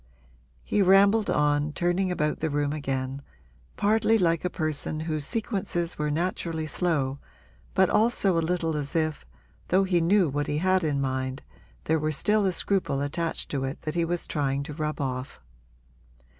He rambled on, turning about the room again, partly like a person whose sequences were naturally slow but also a little as if, though he knew what he had in mind, there were still a scruple attached to it that he was trying to rub off.